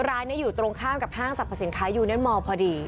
ร้านนี้อยู่ตรงข้ามกับห้างสรรพสินค้ายูเนตมอลพอดี